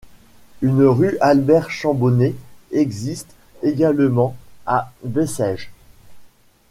Une rue Albert Chambonnet existe également à Bessèges.